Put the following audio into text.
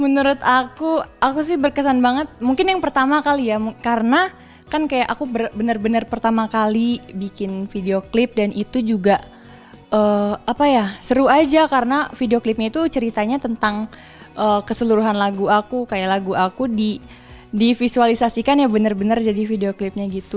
menurut aku aku sih berkesan banget mungkin yang pertama kali ya karena kan kayak aku bener bener pertama kali bikin videoclip dan itu juga seru aja karena videoclipnya itu ceritanya tentang keseluruhan lagu aku kayak lagu aku divisualisasikan ya bener bener jadi videoclipnya gitu